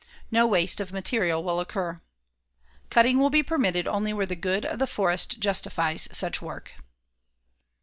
No waste of material will occur. Cutting will be permitted only where the good of the forest justifies such work.